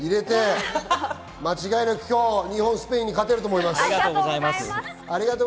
間違いなく今日、日本はスペインに勝てると思います。